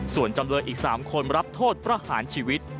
ส่วนจำเลยอีก๓คนรับโทษประหารชีวิต